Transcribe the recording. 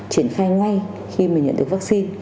triển khai ngay khi mà nhận được vaccine